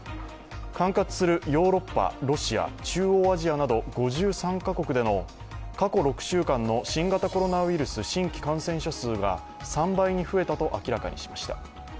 管轄するヨーロッパ、ロシア、中央アジアなど５３カ国での過去６週間の新型コロナウイルス新規感染者数が３倍に増えたと明らかにしました。